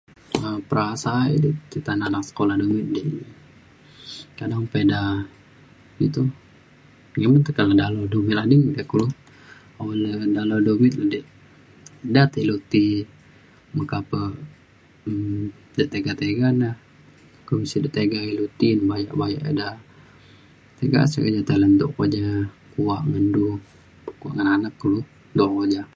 um perasa e de te tanak sekula anak dumit di kadang pa ida iu toh iu tekak le dalau du ading kulo o le dalau dumit de di. ja te ilu ti meka pe um ja tega tega na kumbin sek de tega ilu ti bayak bayak ida tiga sek [unintelligible] luntok ko ja kuak ngen du kuak ngan anak kulu dau o ja